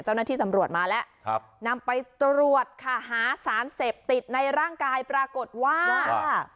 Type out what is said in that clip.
เจ้าหน้าที่ตำรวจมาแล้วนำไปตรวจค่ะหาสารเสพติดในร่างกายปรากฏว่า